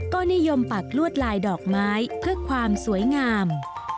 ก็นิยมปักลวดลายดอกไม้เพื่อความสวยงาม